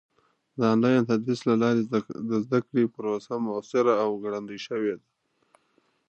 د آنلاین تدریس له لارې د زده کړې پروسه موثره او ګړندۍ شوې ده.